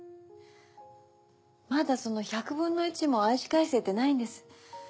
まだその１００分の１も愛し返せてないんです。